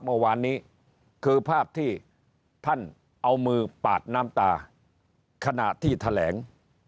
เมื่อวานนี้คือภาพที่ท่านเอามือปาดน้ำตาขณะที่แถลง